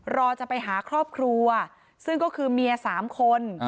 รอจะไปหาครอบครัวซึ่งก็คือเมีย๓คน